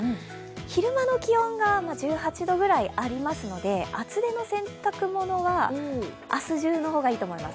昼間の気温が１８度ぐらいありますので厚手の洗濯物は、明日中の方がいいと思います。